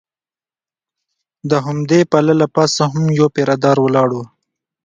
د همدې پله له پاسه هم یو پیره دار ولاړ و.